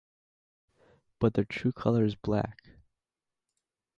But their true color is black.